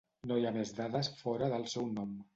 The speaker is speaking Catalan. No hi ha més dades fora del seu nom.